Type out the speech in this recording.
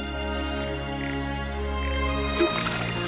よっ！